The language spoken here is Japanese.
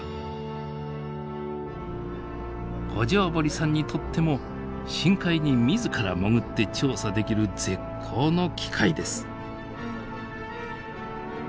五條堀さんにとっても深海に自ら潜って調査できる絶好の機会です。